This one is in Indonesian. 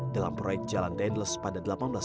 dalam proyek jalan dendles pada seribu delapan ratus sebelas